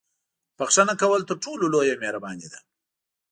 • بښنه کول تر ټولو لویه مهرباني ده.